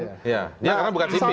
karena bukan sipil